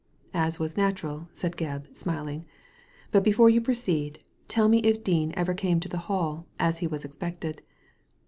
•*As was natural," said Gebb, smiling. "But before you proceed, tell me if Dean ever came to the Hall, as he was expected."